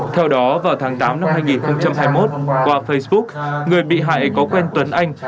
theo đó vào tháng tám năm hai nghìn hai mươi một qua facebook người bị hại có quen tuấn anh